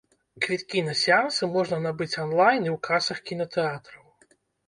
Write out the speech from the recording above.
Квіткі на сеансы можна набыць анлайн і ў касах кінатэатраў.